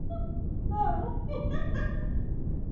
Mkokoteni ulizama matopeni